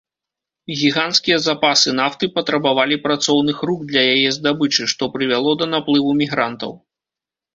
Гіганцкія запасы нафты патрабавалі працоўных рук для яе здабычы, што прывяло да наплыву мігрантаў.